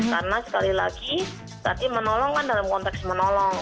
karena sekali lagi tadi menolong kan dalam konteks menolong